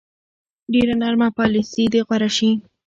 ډېره نرمه پالیسي دې غوره شي.